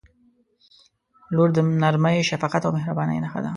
• لور د نرمۍ، شفقت او مهربانۍ نښه ده.